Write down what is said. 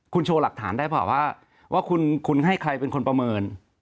คุณโชว์หลักฐานได้เปล่าว่าว่าคุณให้ใครเป็นคนประเมิน